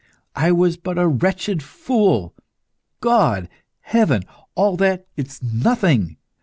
I was but a wretched fool. God, heaven all that is nothing.